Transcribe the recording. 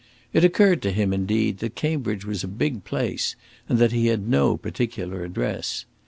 It occurred to him, indeed, that Cambridge was a big place, and that he had no particular address.